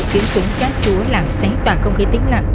khiến súng chát chúa làm xé tạc công khí tĩnh lặng